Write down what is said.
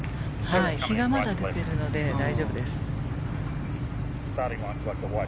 日がまだ出ているので大丈夫です。